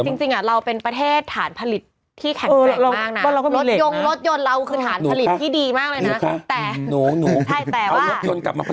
จริงเราเป็นประเทศฐานผลิตที่แข็งแกร่งมากนะ